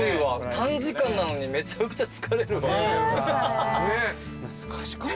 短時間なのにめちゃくちゃ疲れる。